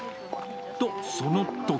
と、そのとき。